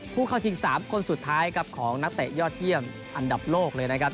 ผู้เข้าชิง๓คนสุดท้ายครับของนักเตะยอดเยี่ยมอันดับโลกเลยนะครับ